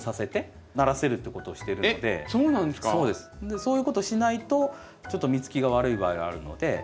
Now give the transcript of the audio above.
そういうことをしないとちょっと実つきが悪い場合があるので。